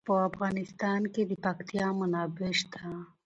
په افغانستان کې د پکتیا منابع شته.